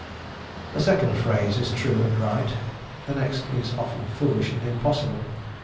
The second phrase is true and right; the next is often foolish and impossible.